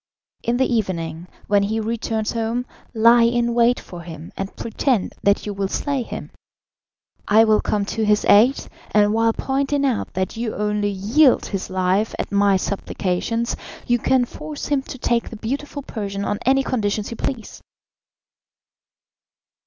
In the evening, when he returns home, lie in wait for him and pretend that you will slay him. I will come to his aid, and while pointing out that you only yield his life at my supplications, you can force him to take the beautiful Persian on any conditions you please."